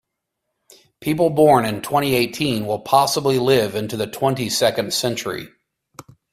People born in twenty-eighteen will possibly live into the twenty-second century.